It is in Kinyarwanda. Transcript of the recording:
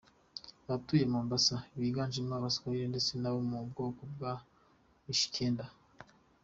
Abatuye Mombasa biganjemo Abaswahili ndetse n’abo mu bwoko bwa Mijikenda.